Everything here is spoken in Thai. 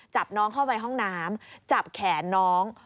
จับน้องเข้าไปห้องน้ำจับแขนน้อง